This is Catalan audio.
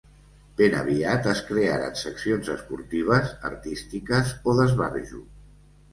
Ben aviat es crearen seccions esportives, artístiques o d'esbarjo.